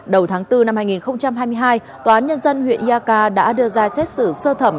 đầu tháng bốn năm hai nghìn hai mươi hai tòa nhân dân huyện nha ca đã đưa ra xét xử sơ thẩm